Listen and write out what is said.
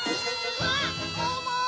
うわっおもい！